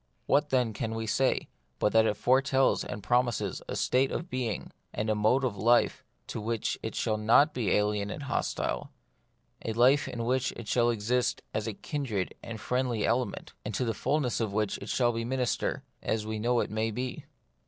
What, then, can we say of it, but that it fore tells and promises a state of being and a mode of life to which it shall not be alien and hostile ; a life in which it shall exist as a kindred and friendly element, and to the fulness of which it shall be minister, as we know it may be.